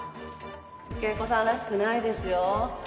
圭子さんらしくないですよ。